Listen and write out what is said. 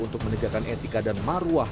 untuk menegakkan etika dan maruah